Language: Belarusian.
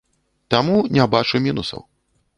Таму не бачу мінусаў.